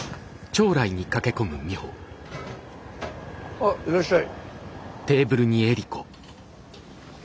あっいらっしゃい。